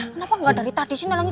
kenapa enggak dari tadi sih nolongin